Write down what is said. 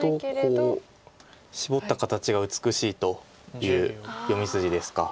とこうシボった形が美しいという読み筋ですか。